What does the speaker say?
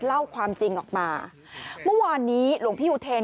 เล่าความจริงออกมาเมื่อวานนี้หลวงพี่อุเทน